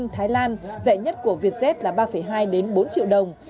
thái lan rẻ nhất của vietjet là ba hai bốn triệu đồng